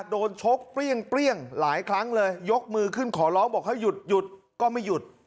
ชกเปรี้ยงหลายครั้งเลยยกมือขึ้นขอร้องบอกให้หยุดหยุดก็ไม่หยุด